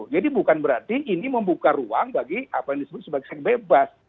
jadi bukan berarti ini membuka ruang bagi apa yang disebut sebagai seks bebas